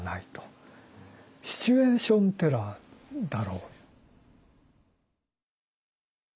シチュエーション・テラーだろう。